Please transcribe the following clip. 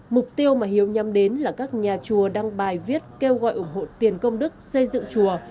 mục tiêu mà hiếu nhắm đến là các nhà chùa đăng bài viết kêu gọi ủng hộ tiền công đức xây dựng chùa